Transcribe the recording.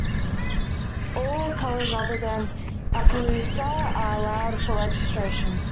All colors other than Appaloosa are allowed for registration.